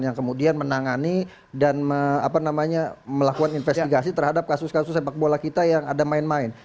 yang kemudian menangani dan melakukan investigasi terhadap kasus kasus sepak bola kita yang ada main main